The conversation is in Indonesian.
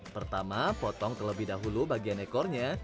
pertama potong terlebih dahulu bagian ekornya